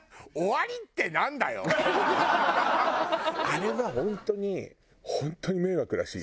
あれは本当に本当に迷惑らしいよ。